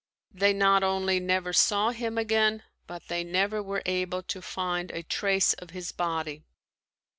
They not only never saw him again but they never were able to find a trace of his body.